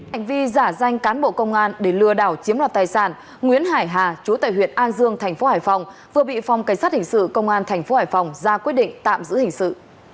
hành vi giả danh cán bộ công an để lừa đảo chiếm đoạt tài sản nguyễn hải hà chú tại huyện an dương thành phố hải phòng vừa bị phòng cảnh sát hình sự công an thành phố hải phòng ra quyết định tạm giữ hình sự